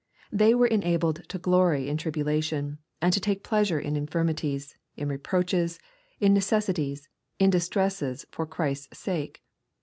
They were enabled to glory in tribulation, and to take pleasure in infirmities, in reproaches, in necessities, in distresses for Christ's sake.